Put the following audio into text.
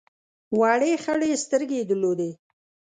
وړې خړې سترګې یې درلودې.